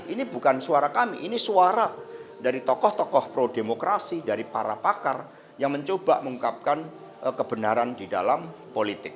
ini bukan suara kami ini suara dari tokoh tokoh pro demokrasi dari para pakar yang mencoba mengungkapkan kebenaran di dalam politik